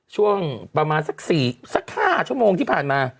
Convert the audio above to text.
ช่วงประมาณสัก๕ชั่วโมงที่ผ่านมา